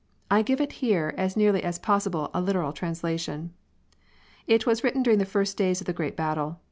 I give here as nearly as possible a literal translation. It was written during the first days of the great battle.